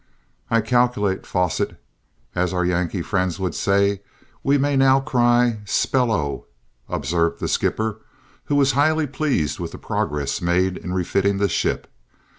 "I `calculate,' Fosset, as our Yankee friends would say, we may now cry spell O!" observed the skipper, who was highly pleased with the progress made in refitting the ship.